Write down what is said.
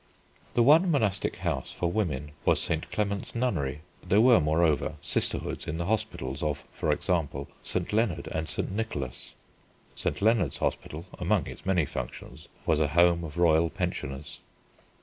The one monastic house for women was St. Clement's Nunnery. There were, moreover, sisterhoods in the hospitals of, for example, St. Leonard and St. Nicholas. St. Leonard's Hospital, among its many functions, was a home of royal pensioners.